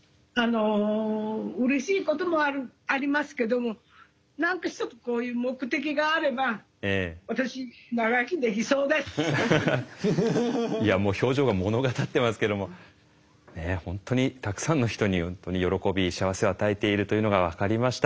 うれしいこともありますけども何か一つこういう目的があればいやもう表情が物語ってますけども本当にたくさんの人に喜び幸せを与えているというのが分かりました。